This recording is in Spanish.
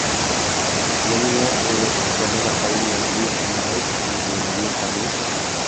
Milner se formó en la academia del Leeds United desde los diez años.